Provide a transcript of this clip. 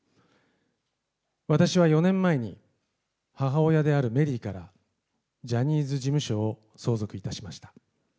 私は４年前に母親であるメリーからジャニーズ事務所を相続いたしました。